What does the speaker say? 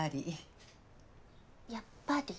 やっぱり。